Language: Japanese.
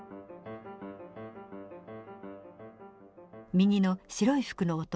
右の白い服の男